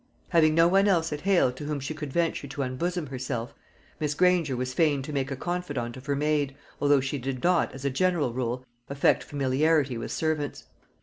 Having no one else at Hale to whom she could venture to unbosom herself, Miss Granger was fain to make a confidante of her maid, although she did not, as a general rule, affect familiarity with servants.